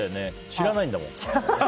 知らないんだもん。